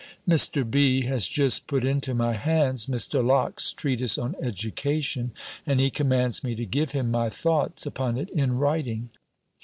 "_ Mr. B. has just put into my hands Mr. Locke's Treatise on Education, and he commands me to give him my thoughts upon it in writing.